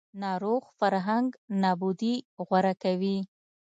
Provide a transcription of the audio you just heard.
ناروغ فرهنګ نابودي غوره کوي